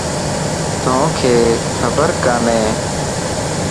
توکَ خبر کاني؟